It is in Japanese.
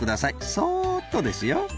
そっとですよ。